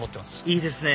いいですね